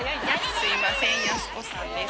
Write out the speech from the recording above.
すみません、やす子さんです。